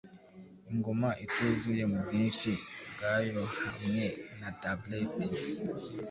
Iguma ituzuye mubwinshi bwayohamwe na tableti